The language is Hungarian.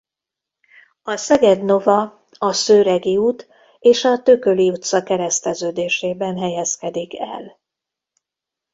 A Szeged Nova a Szőregi út és a Thököly utca kereszteződésében helyezkedik el.